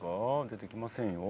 出てきませんよ